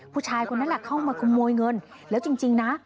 ผู้ชายคนนั้นแหละเข้ามาขโมยเงินแล้วจริงนะ